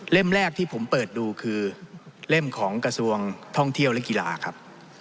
แรกที่ผมเปิดดูคือเล่มของกระทรวงท่องเที่ยวและกีฬาครับ